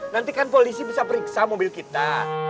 nanti kan polisi bisa periksa mobil kita